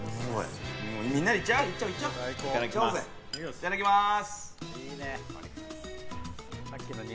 いただきます！